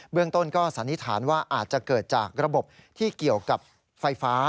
เรื่องต้นก็สันนิษฐานว่าอาจจะเกิดจากระบบที่เกี่ยวกับไฟฟ้า